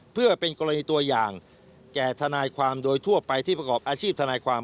เพื่อเป็นกรณีตัวอย่างแก่ทนายความโดยทั่วไปที่ประกอบอาชีพทนายความ